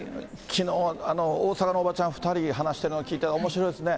きのう、大阪のおばちゃん、２人、話してるの聞いたら、おもしろいですね。